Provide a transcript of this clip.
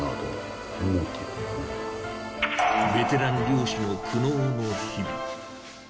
ベテラン漁師の苦悩の日々。